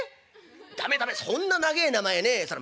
駄目駄目そんな長え名前ねそら